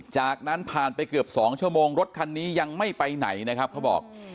จากนั้นผ่านไปเกือบ๒ชั่วโมงรถคันนี้ยังไม่ไปไหนนะครับเขาบอก